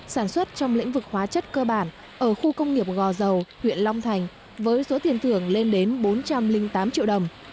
sản xuất trong lĩnh vực hóa chất cơ bản ở khu công nghiệp gò dầu huyện long thành với số tiền thưởng lên đến bốn trăm linh tám triệu đồng